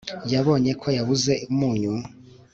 Yabonye ko yabuze umunyu